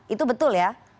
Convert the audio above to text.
itu betul ya